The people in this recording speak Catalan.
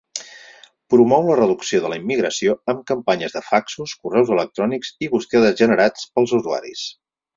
Promou la reducció de la immigració amb campanyes de faxos, correus electrònics i bustiades generats pels usuaris.